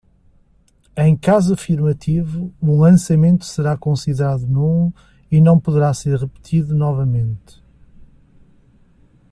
Em caso afirmativo, o lançamento será considerado nulo e não poderá ser repetido novamente.